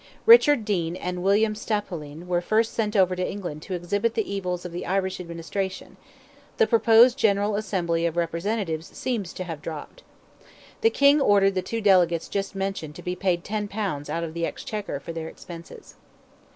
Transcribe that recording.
Richard Dene and William Stapolyn were first sent over to England to exhibit the evils of the Irish administration; the proposed general assembly of representatives seems to have dropped. The King ordered the two delegates just mentioned to be paid ten pounds out of the Exchequer for their expenses.